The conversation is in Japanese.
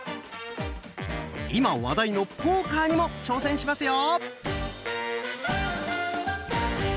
今話題のポーカーにも挑戦しますよ！